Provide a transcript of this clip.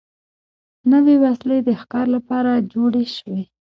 نوې وسلې د ښکار لپاره جوړې شوې.